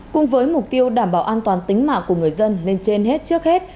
cùng với mục tiêu đảm bảo an toàn tính mạng của người dân lên trên hết trước hết